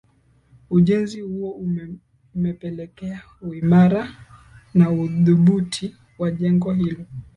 Ujenzi huo umepelekea uimara na umadhubuti wa jengo hilo